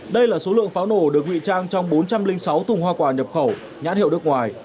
đây là số lượng pháo nổ được nguy trang trong bốn trăm linh sáu thùng hoa quả nhập khẩu nhãn hiệu nước ngoài